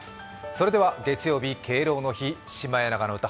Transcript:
それでは、月曜日、敬老の日、「シマエナガの歌」